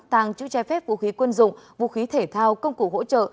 tàng chữ che phép vũ khí quân dụng vũ khí thể thao công cụ hỗ trợ